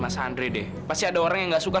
mas andre deh pasti ada orang yang gak suka